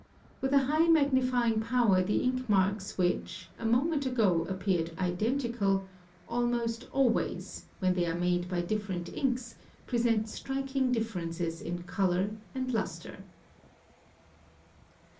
With a high magnifying power the ink marks which, a moment ago, appeared identical, almost always, when they are made by different inks, present striking differences in colour and lustre.